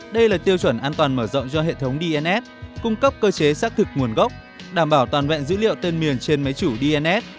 đây là tiêu chuẩn an toàn mở rộng do hệ thống dns cung cấp cơ chế xác thực nguồn gốc đảm bảo toàn vẹn dữ liệu tên miền trên máy chủ dns